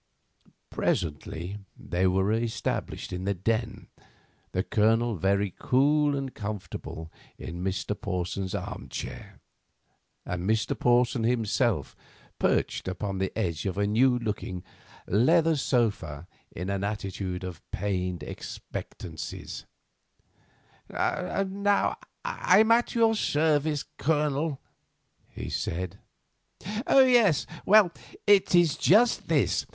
Presently they were established in the den, the Colonel very cool and comfortable in Mr. Porson's armchair, and Porson himself perched upon the edge of a new looking leather sofa in an attitude of pained expectancy. "Now I am at your service, Colonel," he said. "Oh! yes; well, it is just this.